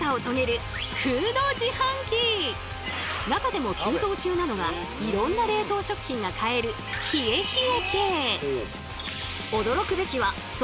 今中でも急増中なのがいろんな冷凍食品が買えるヒエヒエ系。